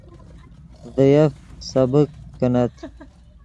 ڤے یف سبک کینت